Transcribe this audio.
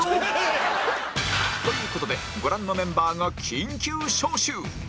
という事でご覧のメンバーが緊急招集